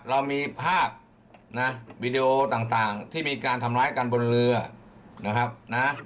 เรามีภาพนะวีดีโอต่างที่มีการทำร้ายกันบนเรือนะครับนะ